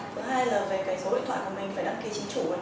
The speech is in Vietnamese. thứ hai là về cái số điện thoại của mình phải đăng ký chính chủ